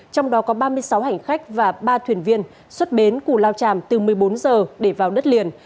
trong đó có ba mươi sáu hành khách và ba thuyền viên xuất bến cù lao tràm từ một mươi bốn giờ để vào đất liền